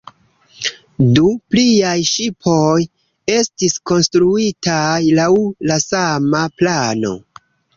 Du pliaj ŝipoj estis konstruitaj laŭ la sama plano.